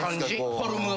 フォルム。